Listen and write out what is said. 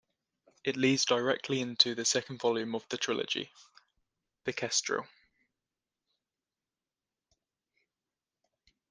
It leads directly into the second volume of the trilogy, The Kestrel.